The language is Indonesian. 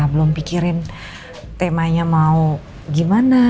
belum pikirin temanya mau gimana